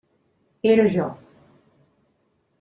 Era jo.